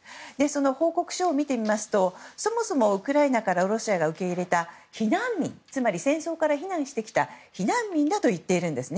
報告書を見てみますとそもそもウクライナからロシアが受け入れた避難民つまり、戦争から避難してきた避難民だと言っています。